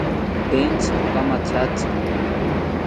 Entzi ikamathatzi